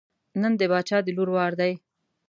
نن د باچا د لور وار دی.